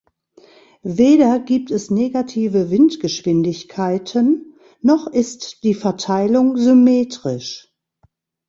Weder gibt es negative Windgeschwindigkeiten, noch ist die Verteilung symmetrisch.